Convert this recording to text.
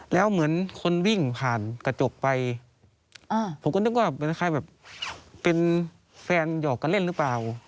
แล้วเหมือนคนวิ่งผ่านกระจกไปผมก็นึกว่าเป็นใครแบบเป็นแฟนหยอกกันเล่นหรือเปล่า